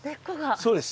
そうです。